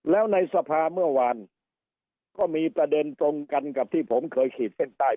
แล้วในสภาเมื่อวานก็มีประเด็นตรงกันกับที่ผมเคยขีดเส้นใต้